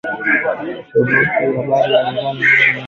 Tovuti ya habari ya Iran Nournews inayoonekana